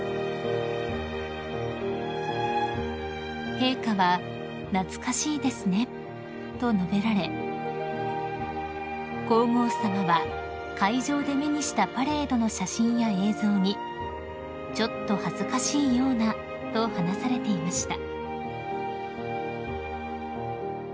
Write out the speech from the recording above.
［陛下は「懐かしいですね」と述べられ皇后さまは会場で目にしたパレードの写真や映像に「ちょっと恥ずかしいような」と話されていました］